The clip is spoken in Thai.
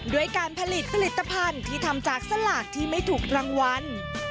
ด้วยการผลิตผลิตภัณฑ์ที่ทำจากสลากที่ไม่ถูกรางวัล